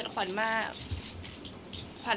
แต่ขวัญไม่สามารถสวมเขาให้แม่ขวัญได้